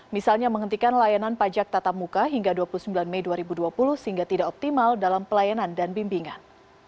misalnya menghentikan layanan pajak tatap muka hingga dua puluh sembilan mei dua ribu dua puluh sehingga tidak optimal dalam pelayanan dan bimbingan